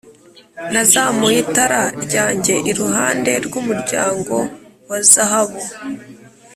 nazamuye itara ryanjye iruhande rw'umuryango wa zahabu!